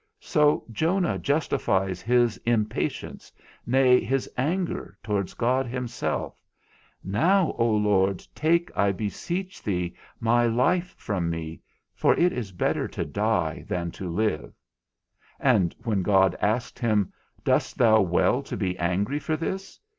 So Jonah justifies his impatience, nay, his anger, towards God himself: Now, O Lord, take, I beseech thee, my life from me, for it is better to die than to live. And when God asked him, _Dost thou well to be angry for this?